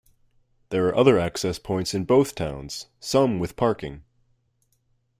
There are other access points in both towns, some with parking.